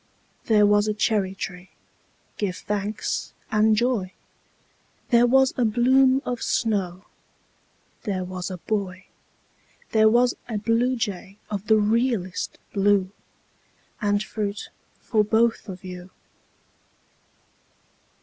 There was a cherry tree, give thanks and joy! There was a bloom of snow There was a boy There was a bluejay of the realest blue And fruit for both of you.